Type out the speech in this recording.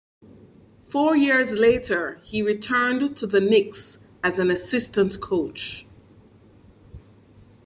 Four years later, he returned to the Knicks as an assistant coach.